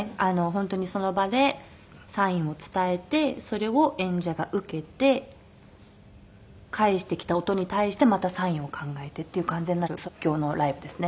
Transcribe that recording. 本当にその場でサインを伝えてそれを演者が受けて返してきた音に対してまたサインを考えてっていう完全なる即興のライブですね。